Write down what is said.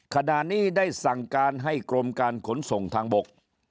ขณะนี้ได้สั่งการให้กรมการขนส่งทางบก